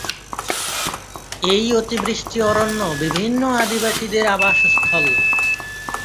এই অতিবৃষ্টি অরণ্য বিভিন্ন আদিবাসীদের আবাসস্থল।